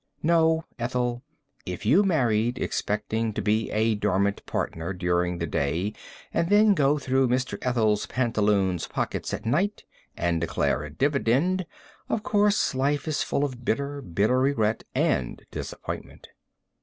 No, Ethel, if you married expecting to be a dormant partner during the day and then to go through Mr. Ethel's pantaloons pocket at night and declare a dividend, of course life is full of bitter, bitter regret and disappointment.